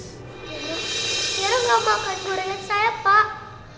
tiara tidak makan gorengnya saya pak